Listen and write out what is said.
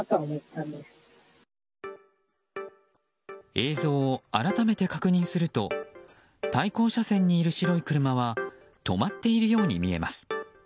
映像を改めて確認すると対向車線にいる白い車は止まっているように見えます。